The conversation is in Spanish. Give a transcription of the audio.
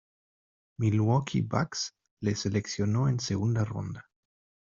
Milwaukee Bucks le seleccionó en segunda ronda.